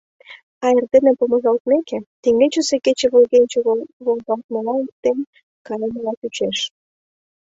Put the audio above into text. А эрдене помыжалтмеке, теҥгечысе кече волгенче волгалтмыла эртен кайымыла чучеш.